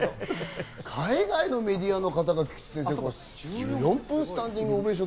海外のメディアの方が１４分スタンディングオベーション。